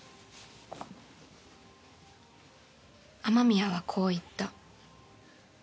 雨宮はこう言った。